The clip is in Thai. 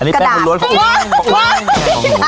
อันนี้แป้งผัวรวดปล่อย